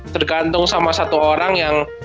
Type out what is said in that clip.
tergantung sama satu orang yang